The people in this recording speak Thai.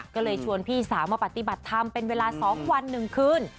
ก็เลยชวนพี่สาวมาปฏิบัติธรรมเป็นเวลา๒วัน๑คืน